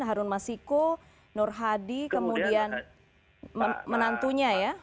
harun masiku nur hadi kemudian menantunya ya